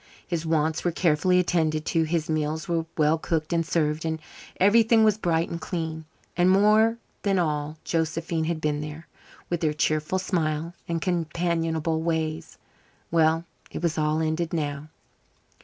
His wants were carefully attended to; his meals were well cooked and served, and everything was bright and clean. And more than all, Josephine had been there, with her cheerful smile and companionable ways. Well, it was all ended now.